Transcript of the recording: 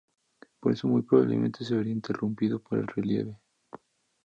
Por esto, muy probablemente se verá interrumpido por el relieve.